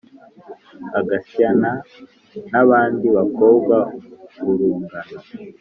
agasyana n’abandi bakobwa b’urungano